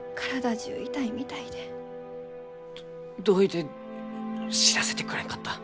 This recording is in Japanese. どどういて知らせてくれんかった？